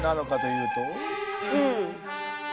うん。